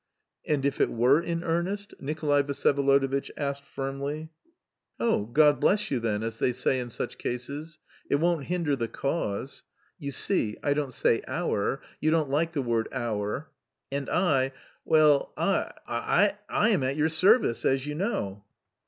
"And if it were in earnest?" Nikolay Vsyevolodovitch asked firmly. "Oh, God bless you then, as they say in such cases. It won't hinder the cause (you see, I don't say 'our,' you don't like the word 'our') and I ... well, I ... am at your service, as you know."